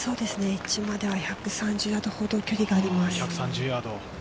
エッジまでは１３０ヤードほど距離があります。